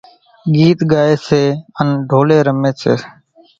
ڳيت ڳائيَ سي انين ڍولين رميَ سي۔